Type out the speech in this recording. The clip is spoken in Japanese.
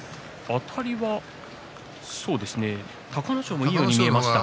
あたりは隆の勝もいいように見えました。